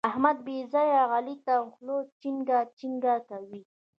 احمد بې ځايه علي ته خوله چينګه چینګه کوي.